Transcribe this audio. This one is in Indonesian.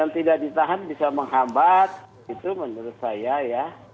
yang tidak ditahan bisa menghambat itu menurut saya ya